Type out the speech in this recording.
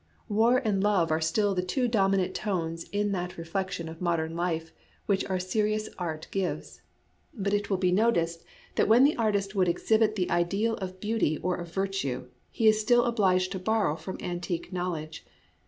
War and love are still the two dominant tones in that reflection of modern life which our serious art gives. But it will be noticed that when the artist would exhibit the ideal of beauty or of virtue, he is still obliged to borrow from antique knowledge.